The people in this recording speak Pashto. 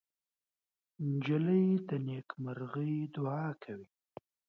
نجلۍ د نیکمرغۍ دعا کوي.